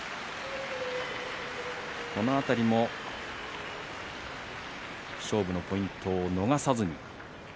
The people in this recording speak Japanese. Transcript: この辺りも勝負のポイントを逃さずに。